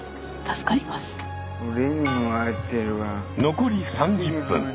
残り３０分。